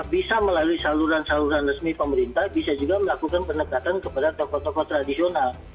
bisa melalui saluran saluran resmi pemerintah bisa juga melakukan pendekatan kepada tokoh tokoh tradisional